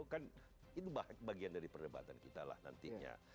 kan itu bagian dari perdebatan kita lah nantinya